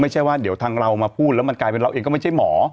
ไม่ใช่ว่าเดี๋ยวทางเรามาพูดแล้วมันกลายเป็นเราเองก็ไม่ใช่หมอ